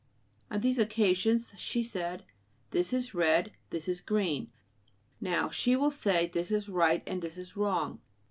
On these occasions she said: "This is red, this is green." Now she will say: "This is right, this is wrong."